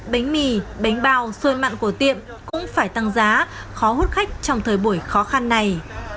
bánh mì bánh bao xôi mặn của tiệm cũng phải tăng giá khó hút khách trong thời buổi khó khăn này